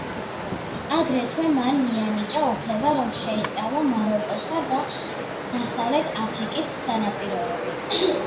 აგრეთვე მან მიანიჭა უფლება, რომ შეესწავლა მაროკოსა და დასავლეთ აფრიკის სანაპიროები.